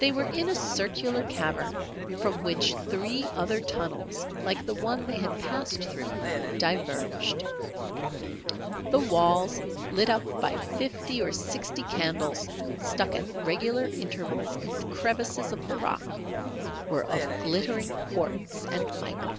They were in a circular cavern from which three other tunnels like the one they had passed through, diverged. The walls, lit up by fifty or sixty candles stuck at irregular intervals in crevices of the rock, were of glittering quartz and mica.